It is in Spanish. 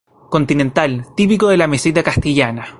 Continental, típico de la meseta castellana.